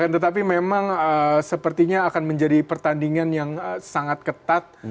tetapi memang sepertinya akan menjadi pertandingan yang sangat ketat